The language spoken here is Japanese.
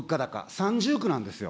三重苦なんですよ。